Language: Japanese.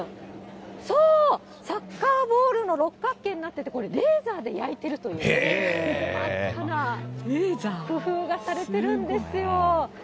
そう、サッカーボールの六角形になってて、これ、レーザーで焼いてるという、工夫がされてるんですよ。